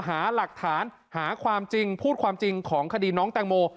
หาหลักฐานหาความจริงพูดความจริงของคดีน้องแตงโม